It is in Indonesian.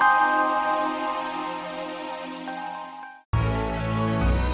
kamu bisa ayah ik farther f hatch administener g powdered